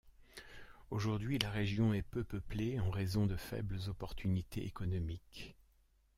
Aujourd'hui, la région est peu peuplée en raison de faibles opportunités économiques.